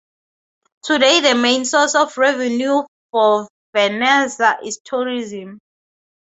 Today the main source of revenue for Vernazza is tourism.